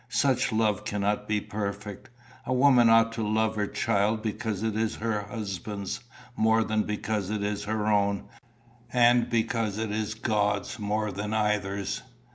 Such love cannot be perfect. A woman ought to love her child because it is her husband's more than because it is her own, and because it is God's more than either's.